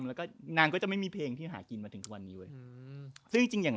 แล้วก็นางก็จะไม่มีเพลงที่หากินมาถึงทุกวันนี้เว้ยซึ่งจริงอย่าง